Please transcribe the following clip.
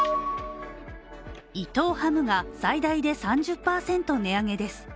伊藤ハムが最大で３０％値上げです。